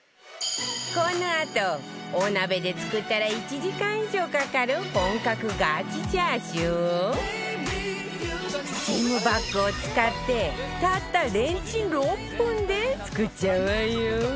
このあとお鍋で作ったら１時間以上かかる本格ガチチャーシューをスチームバッグを使ってたったレンチン６分で作っちゃうわよ